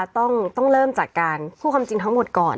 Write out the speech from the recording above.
ต้องเริ่มจากการพูดความจริงทั้งหมดก่อน